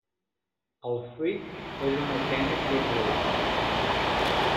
El fruit és un aqueni triangular.